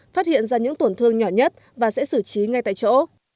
phát hiện ra những tổn thương nhỏ nhất và sẽ xử trí ngay tại chỗ